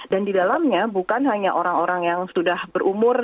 dan di dalamnya bukan hanya orang orang yang sudah berumur